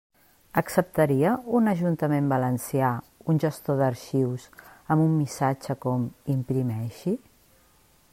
Acceptaria un ajuntament valencià un gestor d'arxius amb un missatge com imprimeixi?